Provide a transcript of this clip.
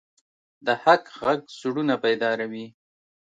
د حق غږ زړونه بیداروي